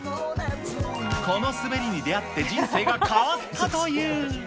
この滑りに出会って人生が変わったという。